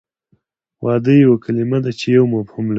واده یوه کلمه ده چې یو مفهوم لري